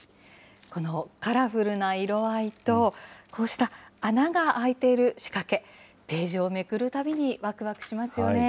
このカラフルな色合いと、こうした穴が開いている仕掛け、ページをめくるたびにわくわくしますよね。